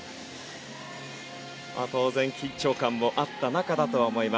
当然緊張感もあった中だとは思います。